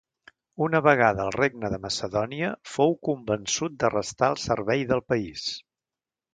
Una vegada al regne de Macedònia, fou convençut de restar al servei del país.